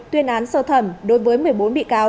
tuyên án sơ thẩm đối với một mươi bốn bị cáo